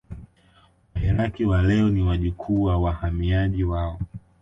Wairaqw wa leo ni wajukuu wa wahamiaji hao